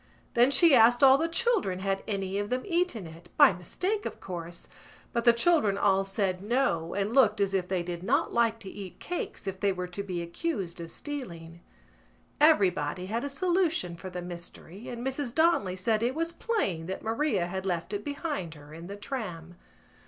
Then she asked all the children had any of them eaten it—by mistake, of course—but the children all said no and looked as if they did not like to eat cakes if they were to be accused of stealing. Everybody had a solution for the mystery and Mrs Donnelly said it was plain that Maria had left it behind her in the tram.